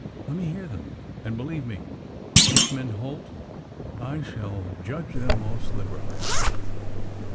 "Let me hear them; and believe me, Hickman Holt, I shall judge them most liberally."